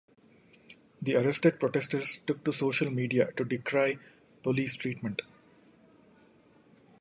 The arrested protesters took to social media to decry police treatment.